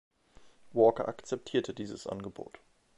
Walker akzeptierte dieses Angebot.